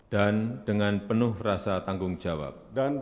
dan dengan penuh rasa tanggung jawab